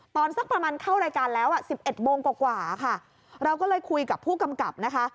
สักประมาณเข้ารายการแล้วอ่ะสิบเอ็ดโมงกว่ากว่าค่ะเราก็เลยคุยกับผู้กำกับนะคะ